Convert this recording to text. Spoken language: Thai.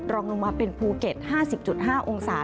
รองลงมาเป็นภูเก็ต๕๐๕องศา